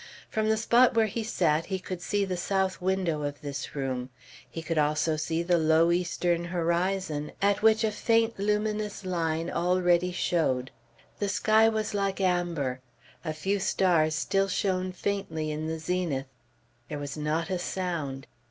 From the spot where he sat, he could see the south window of this room. He could also see the low eastern horizon, at which a faint luminous line already showed. The sky was like amber; a few stars still shone faintly in the zenith. There was not a sound.